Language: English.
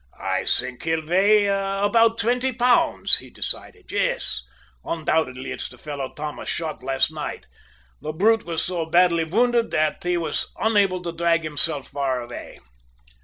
"I think he'll weigh about twenty pounds," he decided. "Yes; undoubtedly it's the fellow Thomas shot last night. The brute was so badly wounded that he was unable to drag himself far away."